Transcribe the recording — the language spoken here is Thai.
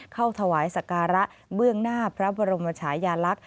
เข้าถวายสการะเบื้องหน้าพระบรมชายาลักษณ์